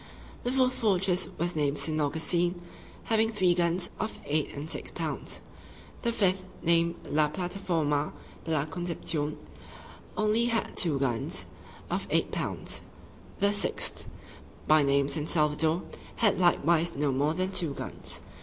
The fourth fortress was named St. Augustine, having three guns of eight and six pounds. The fifth, named La Plattaforma de la Conception, had only two guns, of eight pounds. The sixth, by name San Salvador, had likewise no more than two guns.